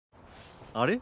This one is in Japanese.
あれ？